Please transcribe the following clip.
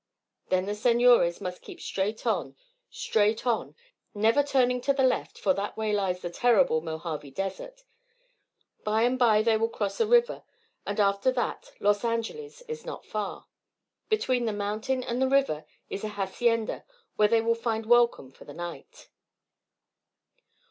Then the senores must keep straight on, straight on never turning to the left, for that way lies the terrible Mojave desert. By and by they will cross a river, and after that Los Angeles is not far. Between the mountain and the river is an hacienda, where they will find welcome for the night."